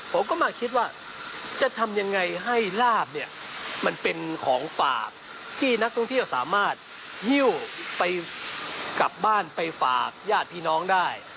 ผมก็มาคิดว่าจะทำยังไงให้ลาบเนี่ยมันเป็นของฝากที่นักท่องเที่ยวสามารถหิ้วไปกลับบ้านไปฝากญาติพี่น้องได้